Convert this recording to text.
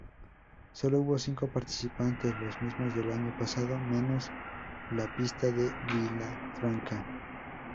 Solo hubo cinco participantes: los mismos del año pasado menos la pista de Vilafranca.